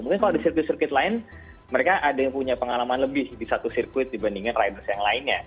mungkin kalau di sirkuit sirkuit lain mereka ada yang punya pengalaman lebih di satu sirkuit dibandingkan riders yang lainnya